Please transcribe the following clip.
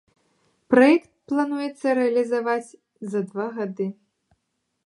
Праект плануецца рэалізаваць за два гады.